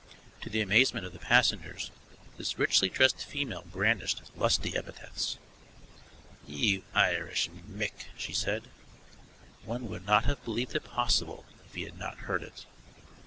To the amazement of the passengers this richly dressed female brandished lusty epithets. "You Irish mick!" she said. (One would not have believed it possible if he had not heard it.)